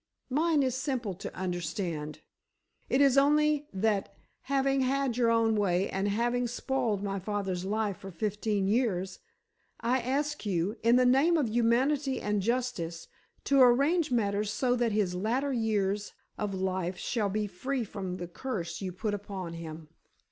"Mine is simple to understand. It is only that having had your way and having spoiled my father's life for fifteen years, I ask you, in the name of humanity and justice, to arrange matters so that his latter years of life shall be free from the curse you put upon him."